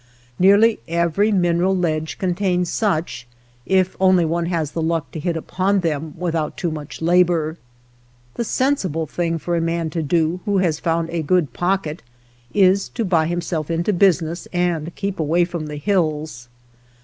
Nearly every mineral ledge contains such, if only one has the luck to hit upon them without too much labor. The sensible thinor for a man to do who has found a grood pocket is to buy himself into business and keep away from the hills.